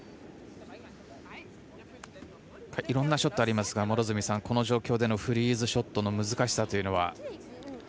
いろんなショットありますがこの状況でのフリーズショットの難しさというのは？